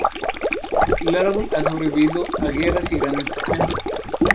El árbol ha sobrevivido a guerras y grandes tormentas.